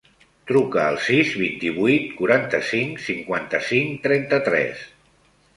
Truca al sis, vint-i-vuit, quaranta-cinc, cinquanta-cinc, trenta-tres.